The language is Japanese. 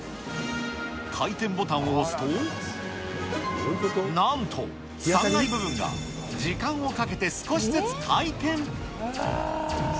回転ボタンを押すと、なんと、３階部分が時間をかけて少しずつ回転。